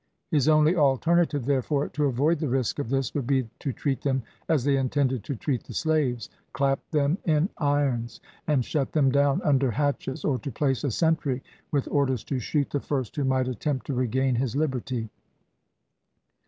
His only alternative, therefore, to avoid the risk of this would be to treat them as they intended to treat the slaves clap them in irons, and shut them down under hatches, or to place a sentry with orders to shoot the first who might attempt to regain his liberty.